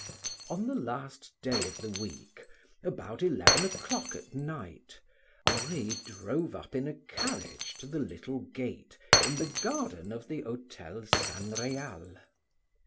On the last day of the week, about eleven o'clock at night, Henri drove up in a carriage to the little gate in the garden of the Hotel San Real.